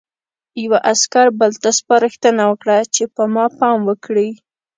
یوه عسکر بل ته سپارښتنه وکړه چې په ما پام وکړي